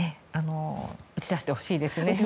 打ち出してほしいですよね。